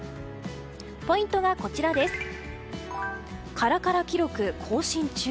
ポイントが、カラカラ記録更新中。